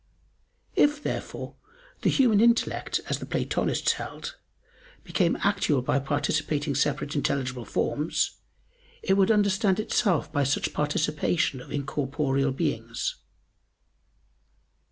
If, therefore, the human intellect, as the Platonists held, became actual by participating separate intelligible forms, it would understand itself by such participation of incorporeal beings.